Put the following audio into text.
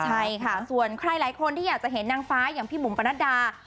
ใช่ค่ะส่วนใครหลายคนที่อยากจะเห็นนางฟ้าอย่างพี่บุ๋มปนัดดา